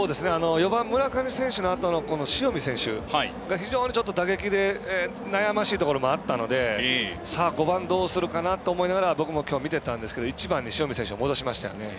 ４番、村上選手のあとの塩見選手が非常に打撃で悩ましいところもあったので５番どうするかなと思いながら僕も見てたんですけど１番に塩見選手を戻しましたよね。